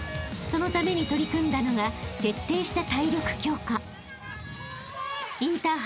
［そのために取り組んだのが徹底した］